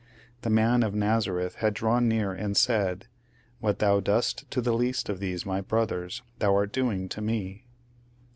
The man of Nazareth had drawn near and said, " What thou doest to the least of these my brothers, thou art doing to me."